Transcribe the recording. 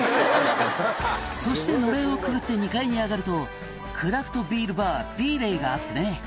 「そしてのれんをくぐって２階に上がるとクラフトビールバーＢＥＥＲＡＹがあってね」